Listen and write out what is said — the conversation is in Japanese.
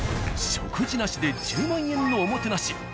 食事なしで１０万円のおもてなし。